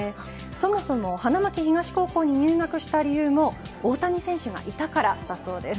そもそも、花巻東高校に入学した理由も大谷選手がいたからだそうです。